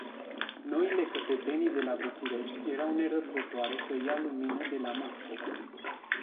Noile căpetenii de la București erau nerăbdătoare să ia lumină de la Moscova.